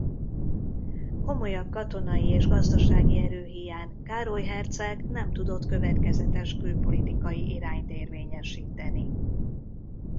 Komolyabb katonai és gazdasági erő híján Károly herceg nem tudott következetes külpolitikai irányt érvényesíteni.